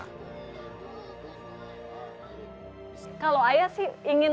ketika anak anak tersebut berusia lima belas tahun